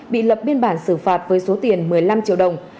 bị lập biên bản xử phạt với số tiền một mươi năm triệu đồng